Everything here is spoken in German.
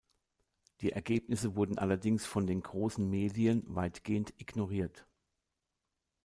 Die Ergebnisse wurden allerdings von den großen Medien weitgehend ignoriert.